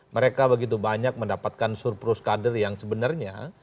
mereka begitu banyak mendapatkan surplus kader yang sebenarnya